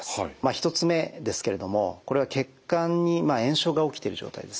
１つ目ですけれどもこれは血管に炎症が起きてる状態ですね。